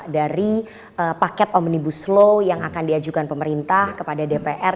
dari paket omnibus law yang akan diajukan pemerintah kepada dpr